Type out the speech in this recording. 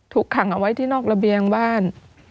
ขังเอาไว้ที่นอกระเบียงบ้าน